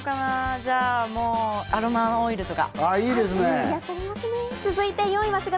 じゃあ、アロマオイルとか。